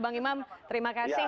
bang imam terima kasih